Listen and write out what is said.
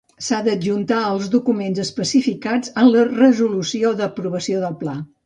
S'ha d'adjuntar els documents especificats en la resolució d'aprovació del pla.